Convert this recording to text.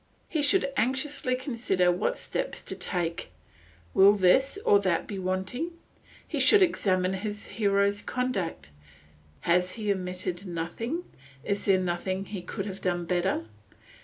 He should anxiously consider what steps to take; will this or that be wanting. He should examine his hero's conduct; has he omitted nothing; is there nothing he could have done better?